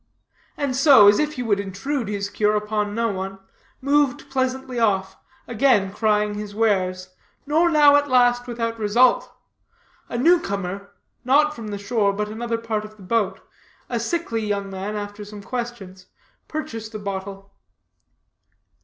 And so, as if he would intrude his cure upon no one, moved pleasantly off, again crying his wares, nor now at last without result. A new comer, not from the shore, but another part of the boat, a sickly young man, after some questions, purchased a bottle.